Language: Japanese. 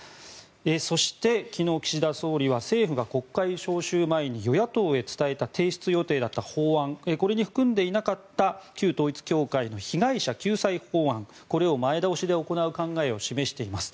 そして、昨日、岸田総理は政府が国会召集前に与野党へ伝えた提出予定だった法案これに含んでいなかった旧統一教会の被害者救済法案これを前倒しで行う考えを示しています。